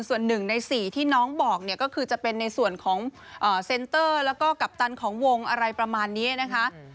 ส่วน๑ใน๔ที่น้องบอกเนี่ยก็คือจะเป็นในส่วนของเซ็นเตอร์แล้วก็กัปตันของวงอะไรประมาณนี้นะคะ